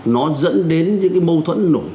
nó dẫn đến những mâu thuẫn nổi